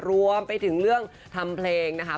รวมไปถึงเรื่องทำเพลงนะคะ